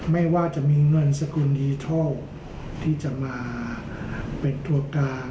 ไม่ว่าจะมีเงินสกุลดิทัลที่จะมาเป็นตัวกลาง